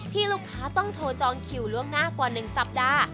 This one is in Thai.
ลูกค้าต้องโทรจองคิวล่วงหน้ากว่า๑สัปดาห์